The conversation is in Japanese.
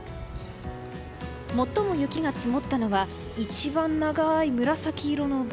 最も雪が積もったのは一番長い紫色の棒